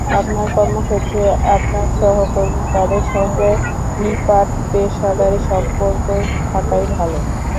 আপনার কর্মক্ষেত্রে আপনার সহকর্মী, তাদের সঙ্গে নিপাট পেশাদারি সম্পর্ক থাকাই ভালো।